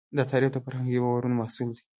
دا تعریف د فرهنګي باورونو محصول دی.